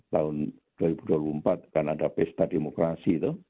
tahun dua ribu dua puluh empat kan ada pesta demokrasi itu